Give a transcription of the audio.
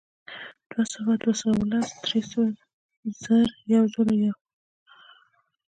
دوهسوه، دوه سوه او لس، درې سوه، زر، یوزرویو